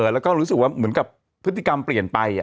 แล้วก็รู้สึกว่าเหมือนกับพฤติกรรมเปลี่ยนไป